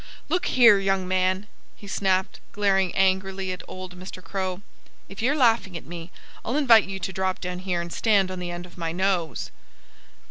"Look here, young man!" he snapped, glaring angrily at old Mr. Crow. "If you're laughing at me, I'll invite you to drop down here and stand on the end of my nose."